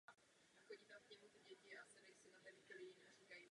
Tato oblast je jednou z nejchudších v Evropské unii.